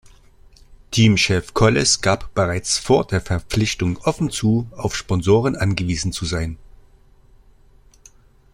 Teamchef Kolles gab bereits vor der Verpflichtung offen zu, auf Sponsoren angewiesen zu sein.